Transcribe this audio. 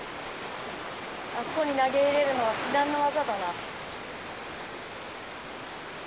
あそこに投げ入れるのは至難の業だな。